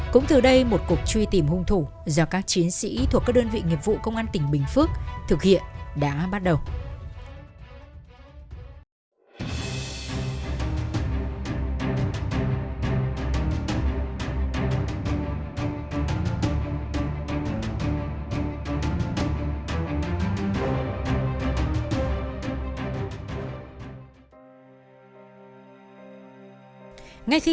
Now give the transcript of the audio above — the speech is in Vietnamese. cũng từ đây một cuộc truy tìm hung thủ do các chiến sĩ thuộc các đơn vị nghiệp vụ công an tỉnh bình phước thực hiện đã bắt đầu